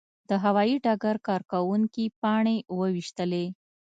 د هوايي ډګر کارکوونکي پاڼې وویشلې.